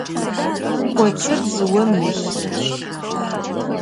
Kotsır dzıom yilh.